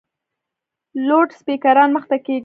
لوډسپیکران مخ ته کښېږده !